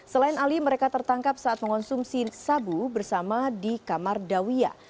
selain ali mereka tertangkap saat mengonsumsi sabu bersama di kamar dawiya